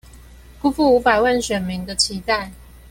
辜負五百萬選民的期待